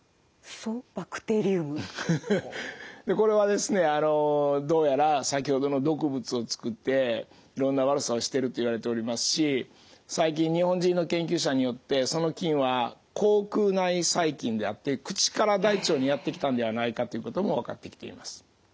これはどうやら先ほどの毒物を作っていろんな悪さをしてるといわれておりますし最近日本人の研究者によってその菌は口腔内細菌であって口から大腸にやって来たんではないかということも分かってきています。